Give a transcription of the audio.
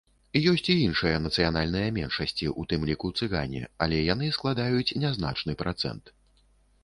Ёсць і іншыя нацыянальныя меншасці, у тым ліку цыгане, але яны складаюць нязначны працэнт.